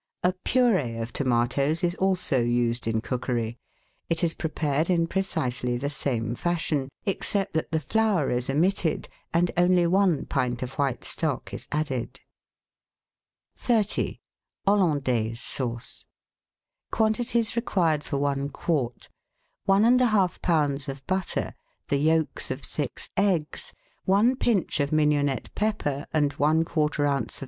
— A pur^e of tomatoes is also used in cookery; it is prepared in precisely the same fashion, except that the flour is omitted and only one pint of white stock is added. 30— HOLLANDAISE SAUCE Quantities Required for One Quart. — One and one half lbs. of butter, the yolks of six eggs, one pinch of mignonette pepper and one quarter oz.